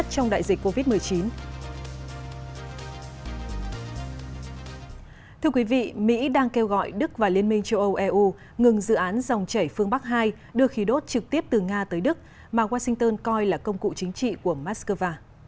thưa quý vị mỹ đang kêu gọi đức và liên minh châu âu eu ngừng dự án dòng chảy phương bắc hai đưa khí đốt trực tiếp từ nga tới đức mà washington coi là công cụ chính trị của moscow